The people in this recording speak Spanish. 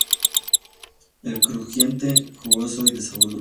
Es crujiente, jugoso y de sabor dulce.